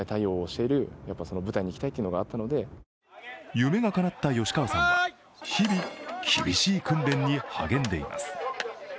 夢がかなった吉川さんは日々、厳しい訓練に励んでいます。